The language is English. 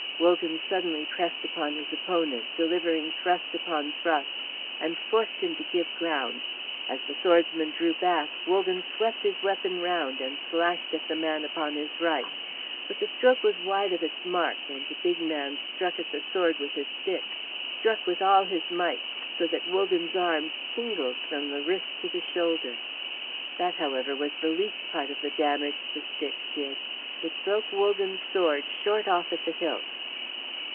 Wogan suddenly pressed upon his opponent, delivering thrust upon thrust, and forced him to give ground. As the swordsman drew back, Wogan swept his weapon round and slashed at the man upon his right. But the stroke was wide of its mark, and the big man struck at the sword with his stick, struck with all his might, so that Wogan's arm tingled from the wrist to the shoulder. That, however, was the least part of the damage the stick did. It broke Wogan's sword short off at the hilt.